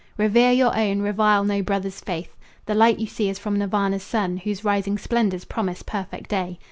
Revere your own, revile no brother's faith. The light you see is from Nirvana's Sun, Whose rising splendors promise perfect day.